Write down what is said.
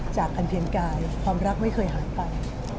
อันเพียงกายความรักไม่เคยหายไป